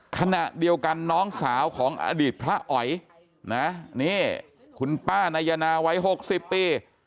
ขณะเดียวกันน้องสาวของอดีตพระอ๋อยนะนี่คุณป้านายนาวัย๖๐ปี